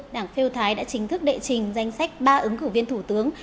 đảng pheo thái đã chính thức đệ trình danh sách ba ứng cử viên thủ tướng